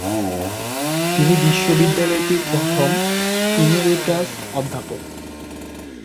তিনি বিশ্ববিদ্যালয়টির প্রথম ইমেরিটাস অধ্যাপক।